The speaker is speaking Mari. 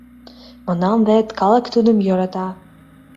Манам вет: калык тудым йӧрата.